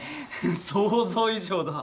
想像以上だ！